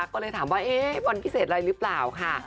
ก็เลยถามว่าวันพิเศษอะไรรึเปล่าค่ะ